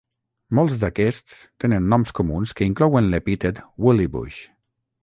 Molts d'aquests tenen noms comuns que inclouen l'epítet "woollybush".